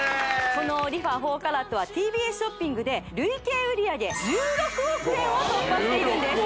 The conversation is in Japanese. このＲｅＦａ４ＣＡＲＡＴはＴＢＳショッピングで累計売上１６億円を突破しているんです